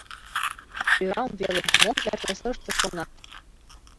«Ӧрам веле, мом РТС-ыште шонат?